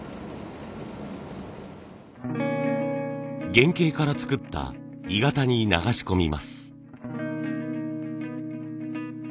原型から作った鋳型に流し込みます。